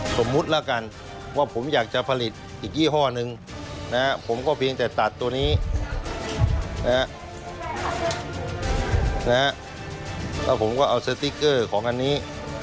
สมมุติแล้วกันว่าผมอยากจะผลิตอีกยี่ห้อนึงนะผมก็เพียงแต่ตัดตัวนี้แล้วผมก็เอาสติ๊กเกอร์ของอันนี้